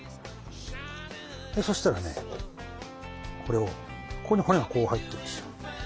そしたらねこれをここに骨がこう入ってるんですよ。